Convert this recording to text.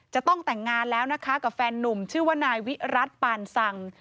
จะต้องแต่งงานแล้วนะคะกับแฟนนุ่มชื่อว่านายวิรัติปานสัง